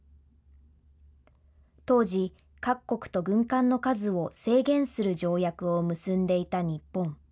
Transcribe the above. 当時、各国と軍艦の数を制限する条約を結んでいた日本。